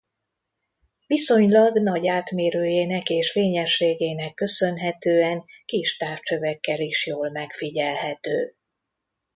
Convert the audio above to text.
Viszonylag nagy átmérőjének és fényességének köszönhetően kis távcsövekkel is jól megfigyelhető.